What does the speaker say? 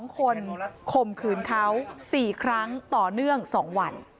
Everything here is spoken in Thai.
๒คนข่มขืนเขา๔ครั้งต่อเนื่อง๒วัน